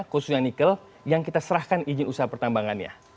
khususnya nikel yang kita serahkan izin usaha pertambangannya